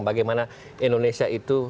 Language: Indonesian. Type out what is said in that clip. bagaimana indonesia itu